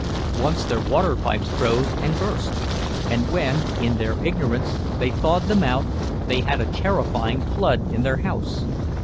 Once their water pipes froze and burst; and when, in their ignorance, they thawed them out, they had a terrifying flood in their house.